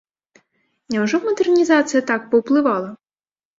Няўжо мадэрнізацыя так паўплывала?